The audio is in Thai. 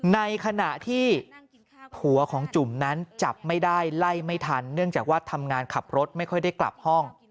ในขณะที่ผัวของจุ่มนั้นจับไม่ได้ไล่ไม่ทันเนื่องจากว่าทำงานขับรถไม่ค่อยได้กลับห้อง